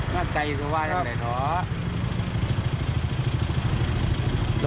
ม่าไก่รู้ว่ายังไงหรอ